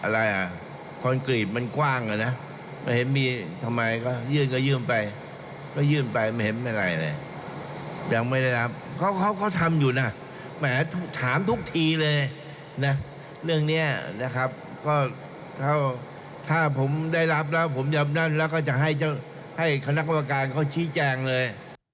แล้วก็จะให้คณะกรรมการเขาชี้แจงเลย